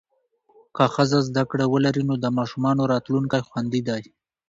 که ښځه زده کړه ولري، نو د ماشومانو راتلونکی خوندي دی.